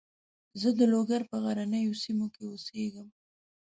زه د لوګر په غرنیو سیمو کې اوسېږم.